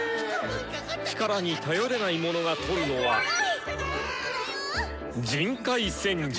力に頼れない者がとるのは人海戦術！